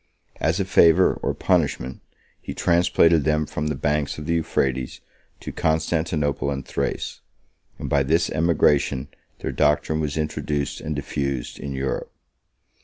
As a favor, or punishment, he transplanted them from the banks of the Euphrates to Constantinople and Thrace; and by this emigration their doctrine was introduced and diffused in Europe.